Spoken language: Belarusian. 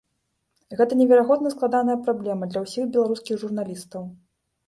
Гэта неверагодна складаная праблема для ўсіх беларускіх журналістаў.